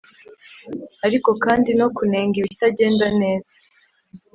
ariko kandi no kunenga ibitagenda neza